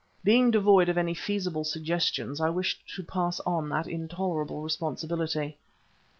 Being devoid of any feasible suggestions, I wished to pass on that intolerable responsibility.